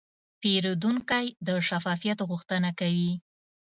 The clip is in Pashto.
پیرودونکی د شفافیت غوښتنه کوي.